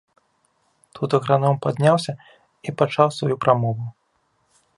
Тут аграном падняўся і пачаў сваю прамову.